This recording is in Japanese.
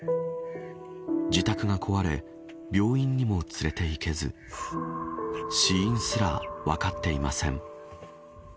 自宅が壊れ病院にも連れて行けず死因すら分かっていません。